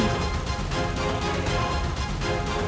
sehingga semua menjadi seperti ini